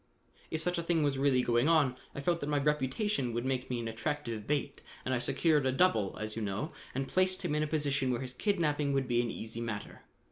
"If such a thing was really going on, I felt that my reputation would make me an attractive bait and I secured a double, as you know, and placed him in a position where his kidnapping would be an easy matter.